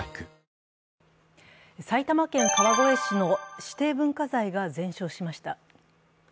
埼玉県川越市の指定文化財が全焼しました。